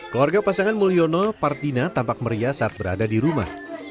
keluarga pasangan mulyono partina tampak meriah saat berada di rumah